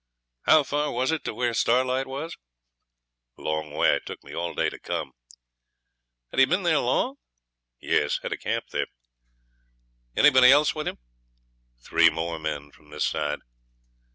'How far was it to where Starlight was?' 'Long way. Took me all day to come.' 'Had he been there long?' 'Yes; had a camp there.' 'Anybody else with him?' 'Three more men from this side.'